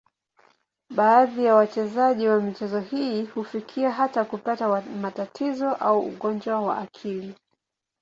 Baadhi ya wachezaji wa michezo hii hufikia hata kupata matatizo au ugonjwa wa akili.